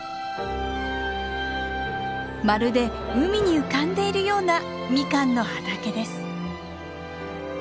まるで海に浮かんでいるようなミカンの畑です。